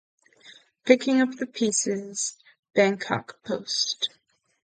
Picking up the pieces, "Bangkok Post".